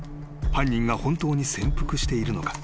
［犯人が本当に潜伏しているのか？］